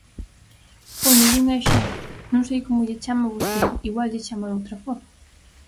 Póñolle un exemplo, non sei como lle chama vostede, igual lle chama doutra forma.